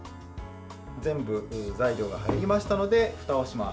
全部材料が入りましたのでふたをします。